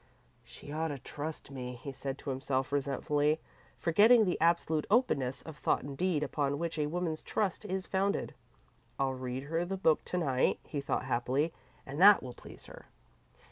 "She ought to trust me," he said to himself, resentfully, forgetting the absolute openness of thought and deed upon which a woman's trust is founded. "I'll read her the book to night," he thought, happily, "and that will please her."